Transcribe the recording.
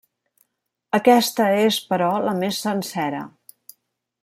Aquesta és, però, la més sencera.